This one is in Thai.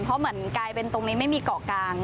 เพราะเหมือนกลายเป็นตรงนี้ไม่มีเกาะกลาง